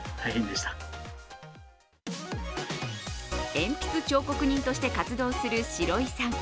鉛筆彫刻人として活動するシロイさん。